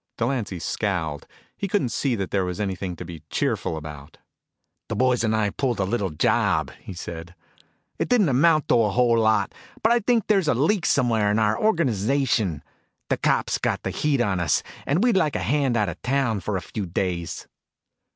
Delancy scowled. He couldn't see that there was anything to be cheerful about. "The boys and I pulled a little job," he said. "It didn't amount to a whole lot, but I think there's a leak somewhere in our organization. The cops got the heat on us, and we'd like a hand out of town for a few days."